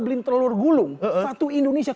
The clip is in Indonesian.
beli telur gulung satu indonesia